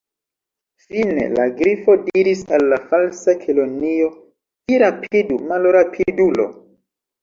Fine, la Grifo diris al la Falsa Kelonio: "Vi rapidu, malrapidulo! «